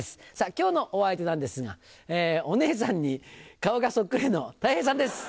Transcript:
今日のお相手なんですがお姉さんに顔がそっくりのたい平さんです。